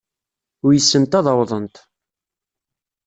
Uysent ad awḍent.